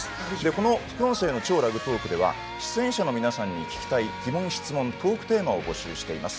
この副音声の「超ラグトーク」では出演者の皆さんに聞きたい疑問・質問トークテーマを募集しております。